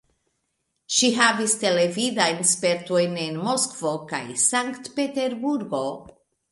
Ŝi havis televidajn spertojn en Moskvo kaj Sankt-Peterburgo.